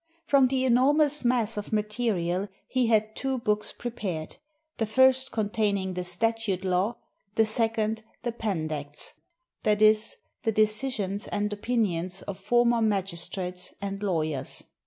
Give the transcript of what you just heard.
From the enormous mass of material he had two books prepared, the first containing the "Stat ute Law," the second, "The Pandects," that is, the decisions and opinions of former magistrates and lawyers.